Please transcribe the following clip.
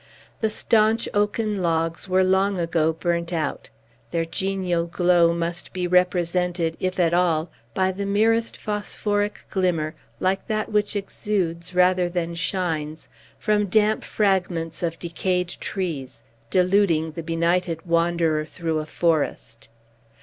The staunch oaken logs were long ago burnt out. Their genial glow must be represented, if at all, by the merest phosphoric glimmer, like that which exudes, rather than shines, from damp fragments of decayed trees, deluding the benighted wanderer through a forest.